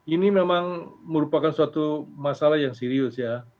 ini memang merupakan suatu masalah yang serius ya